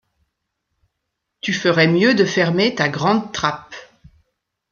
Tu ferais mieux de fermer ta grande trappe.